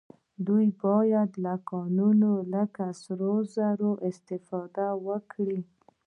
دوی باید له کانونو لکه سرو زرو استفاده وکړي